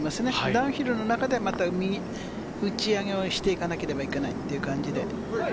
ダウンヒルの中で、右、打ち上げをしていかなければいけないっていう感じで。